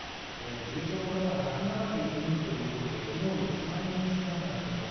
重症の方が１７９人ということで、きのうより３人少なくなっています。